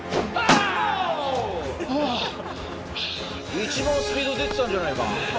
一番スピード出てたんじゃないか？